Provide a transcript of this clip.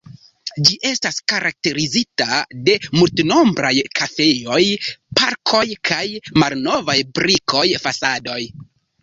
Ĝi estas karakterizita de multnombraj kafejoj, parkoj kaj malnovaj brikoj fasadoj.